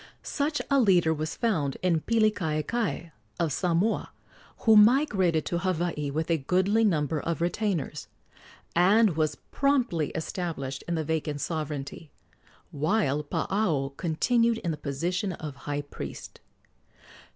Such a leader was found in Pilikaekae, of Samoa, who migrated to Hawaii with a goodly number of retainers, and was promptly established in the vacant sovereignty, while Paao continued in the position of high priest.